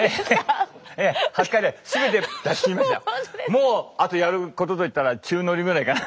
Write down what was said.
もうあとやることと言ったら宙乗りくらいかな。